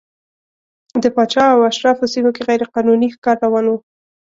د پاچا او اشرافو سیمو کې غیر قانوني ښکار روان و.